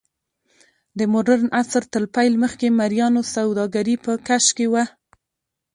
د موډرن عصر تر پیل مخکې مریانو سوداګري په کش کې وه.